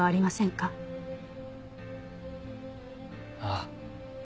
ああ。